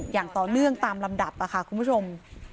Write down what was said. อย่างต่อเนื่องตามลำดับค่ะคุณผู้ชม